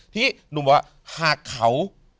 ที่บะหาเขา